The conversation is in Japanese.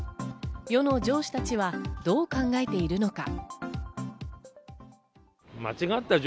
世の上司たちはどう考えているのか。